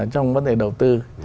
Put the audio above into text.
trong vấn đề đầu tư